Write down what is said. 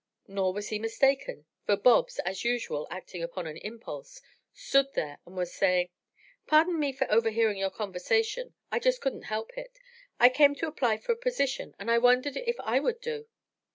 Nor was he mistaken, for Bobs, as usual, acting upon an impulse, stood there and was saying: "Pardon me for overhearing your conversation. I just couldn't help it. I came to apply for a position and I wondered if I would do."